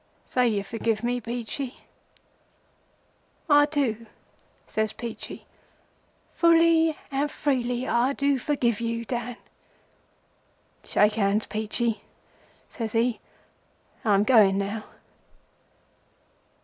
Say you forgive me, Peachey.' 'I do,' says Peachey. 'Fully and freely do I forgive you, Dan.' 'Shake hands, Peachey,' says he. 'I'm going now.